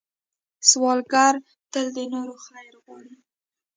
سوالګر تل د نورو خیر غواړي